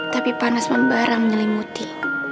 tapi panas membara menyelimuti